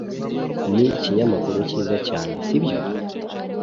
Ni ikinyamakuru cyiza cyane, sibyo?